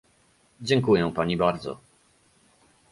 Dziękuję pani bardzo